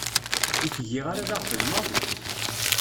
Ur t-giɣ ara d aɣbel maḍi.